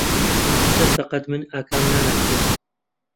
کەس بەقەد من ئاکام ناناسێت.